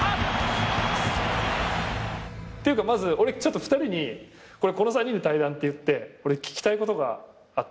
ていうかまず俺ちょっと２人にこの３人で対談っていって俺聞きたいことがあって。